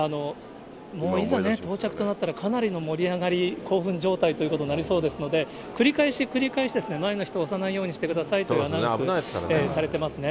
いざね、到着となったらかなりの盛り上がり、興奮状態ということになりそうですので、繰り返し繰り返しですね、前の人を押さないようにしてくださいとアナウンスされてますね。